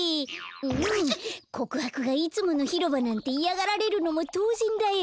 こくはくがいつものひろばなんていやがられるのもとうぜんだよ。